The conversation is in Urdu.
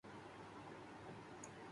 گوگل کا چیٹ سروس متعارف کرانے کا فیصلہ